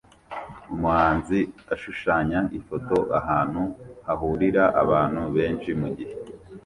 Umuhanzi ashushanya ifoto ahantu hahurira abantu benshi mugihe